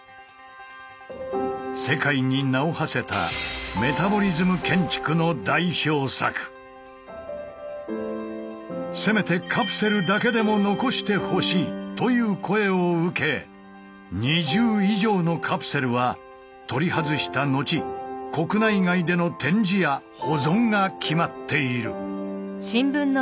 世界に名をはせた「せめてカプセルだけでも残してほしい」という声を受け２０以上のカプセルは取り外した後国内外での展示や保存が決まっている。